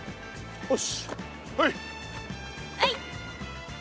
よし！